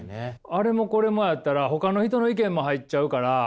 あれもこれもやったらほかの人の意見も入っちゃうから。